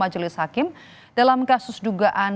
majelis hakim dalam kasus dugaan